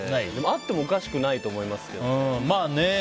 あってもおかしくないと思いますよ。